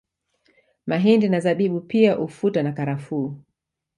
Mahindi na Zabibu pia ufuta na karafuu